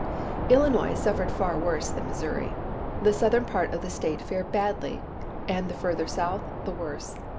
Illinois suffered far worse than Missouri. The southern part of the state fared badly; and the further south, the worse.